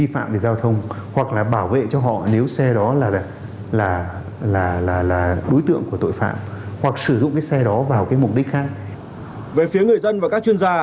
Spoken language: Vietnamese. phải hai ba nhiều người đã thay xe liên tục